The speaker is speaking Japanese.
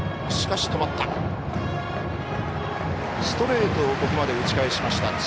ストレートをここまで打ち返しました。